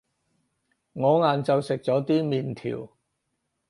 我晏晝食咗啲麵條